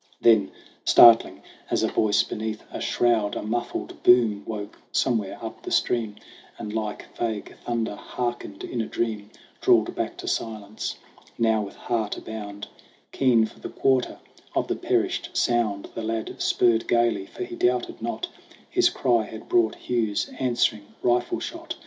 Then, startling as a voice beneath a shroud, A muffled boom woke somewhere up the stream And, like vague thunder hearkened in a dream, Drawled back to silence. Now, with heart a bound, Keen for the quarter of the perished sound, The lad spurred gaily ; for he doubted not His cry had brought Hugh's answering rifle shot.